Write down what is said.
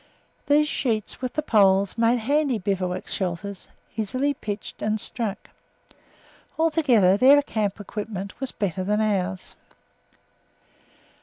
These sheets, with the poles, made handy bivouac shelters, easily pitched and struck. Altogether, their camp equipment was better than ours.